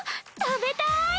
食べたい！